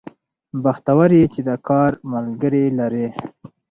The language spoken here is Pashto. بختور يې چې د کار ملګري لرې